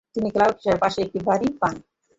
তিনি "ক্লাউড হিলের" পাশে একটি বাড়ি পান।